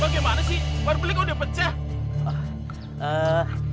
pak gimana sih warna belik udah pecah